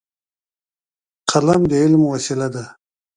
قلم د علم وسیله ده.